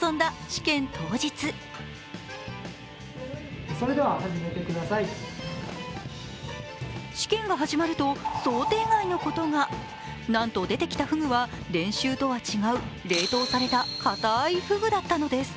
試験が始まると想定外のことがなんと出てきたふぐは練習とは違う冷凍された硬いふぐだったのです。